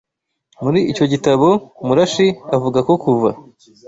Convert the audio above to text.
Muri icyo gitabo, Murashi avuga ko kuva